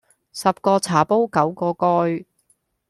十個茶煲九個蓋